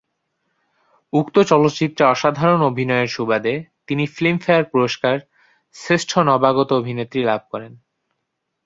উক্ত চলচ্চিত্রে অসাধারণ অভিনয়ের সুবাদে তিনি ফিল্মফেয়ার পুরস্কার শ্রেষ্ঠ নবাগত অভিনেত্রী লাভ করেন।